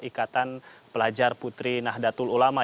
ikatan pelajar putri nahdlatul ulama